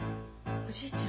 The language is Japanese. おじいちゃん！